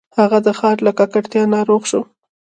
هغه د ښار له ککړتیا ناروغ شو.